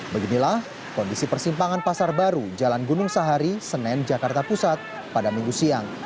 beginilah kondisi persimpangan pasar baru jalan gunung sahari senen jakarta pusat pada minggu siang